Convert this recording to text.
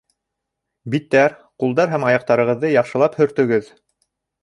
Биттәр, ҡулдар һәм аяҡтарығыҙҙы яҡшылап һөртөгөҙ.